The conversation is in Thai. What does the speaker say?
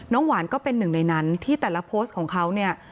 หวานก็เป็นหนึ่งในนั้นที่แต่ละโพสต์ของเขาเนี่ย